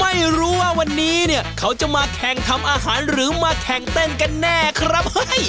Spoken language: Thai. ไม่รู้ว่าวันนี้เนี่ยเขาจะมาแข่งทำอาหารหรือมาแข่งเต้นกันแน่ครับเฮ้ย